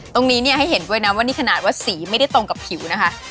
ตรงนี้เนี่ยให้เห็นด้วยนะว่านี่ขนาดว่าสีไม่ได้ตรงกับผิวนะคะ